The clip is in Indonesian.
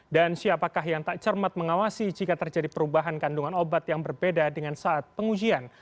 dan siapakah yang tak cermat mengawasi jika terjadi perubahan kandungan obat yang berbeda dengan saat pengujian